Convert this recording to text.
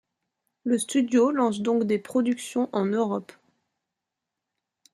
Le studio lance donc des productions en Europe.